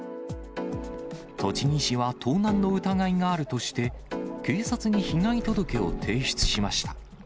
栃木市は盗難の疑いがあるとして、警察に被害届を提出しました。